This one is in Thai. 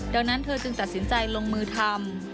ดังนั้นเธอจึงตัดสินใจลงมือทำ